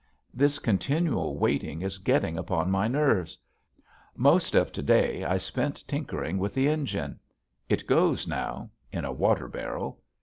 This continual waiting is getting upon my nerves. Most of to day I spent tinkering with the engine. It goes now in a water barrel.